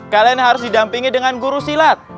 kalian harus didampingi dengan guru silat